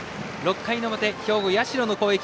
６回の表、兵庫、社高校の攻撃。